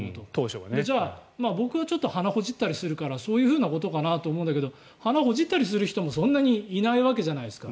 じゃあ、僕は鼻をほじったりするからそういうことかなと思うんだけど鼻をほじったりする人もそんなにいないわけじゃないですか。